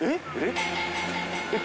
えっ？